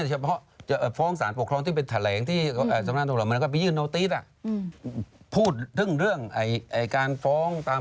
สำนักฐุรกรรมมันก็ปียืนโนติสอ่ะอืมพูดถึงเรื่องไอไอการฟ้องตาม